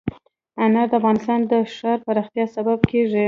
انار د افغانستان د ښاري پراختیا سبب کېږي.